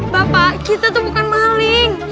bapak kita tuh bukan maling